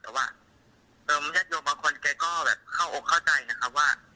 แต่ว่าเป็นญาติโรงบางคนเขาก็เข้าใจนะครับว่า